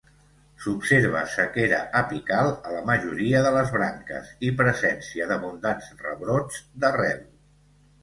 S'observa sequera apical a la majoria de les branques i presència d'abundants rebrots d'arrel.